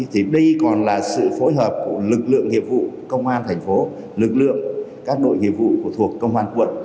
thì đây còn là sự phối hợp của lực lượng nghiệp vụ công an thành phố lực lượng các đội nghiệp vụ thuộc công an quận